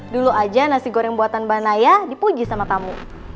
dulu aja nasi goreng buatan mbak naya dipuji sama tamu